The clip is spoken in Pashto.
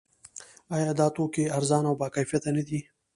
آیا دا توکي ارزانه او باکیفیته نه دي؟